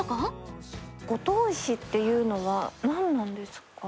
五島石っていうのは何なんですか？